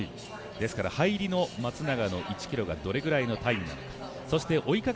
入りの松永の１ｋｍがどれぐらいのタイムなのか。